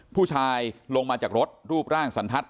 ผู้ชายลงมาจากรถรูปร่างสันทัศน